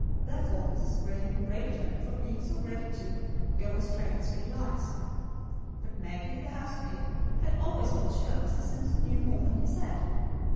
Therefore Mrs. Graem berated him for being so ready to "go astray and speak lies." But Maggie, the housemaid, had always felt sure Mr. Simpson knew more than he said.